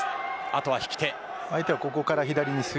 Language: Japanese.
あとは引き手です。